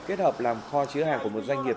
kết hợp làm kho chứa hàng của một doanh nghiệp